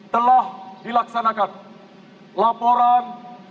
kembali ke tempat